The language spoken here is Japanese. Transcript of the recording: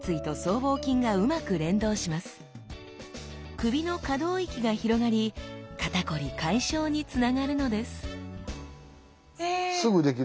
首の可動域が広がり肩こり解消につながるのですすぐできる！